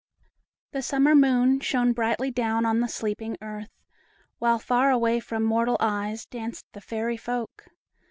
The summer moon shone brightly down upon the sleeping earth, while far away from mortal eyes danced the Fairy folk.